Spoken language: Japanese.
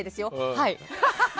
はい。